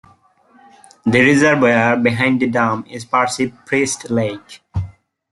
The reservoir behind the dam is Percy Priest Lake.